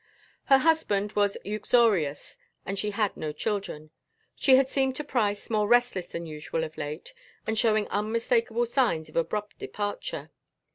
Her husband was uxorious and she had no children. She had seemed to Price more restless than usual of late and showing unmistakable signs of abrupt departure.